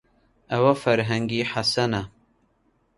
ئەوە فەرهەنگی حەسەنە.